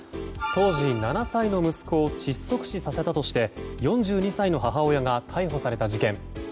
当時７歳の息子を窒息死させたとして４２歳の母親が逮捕された事件。